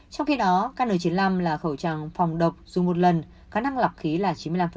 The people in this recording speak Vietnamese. trong khi đó kn chín mươi năm là khẩu trang phòng độc dùng một lần khả năng lọc khí là chín mươi năm